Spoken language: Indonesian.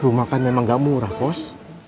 rumah kan memang gak murah pos